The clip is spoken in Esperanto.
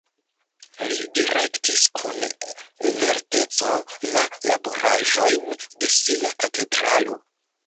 Li direktis kun lerteco la laboraĵojn de sia katedralo.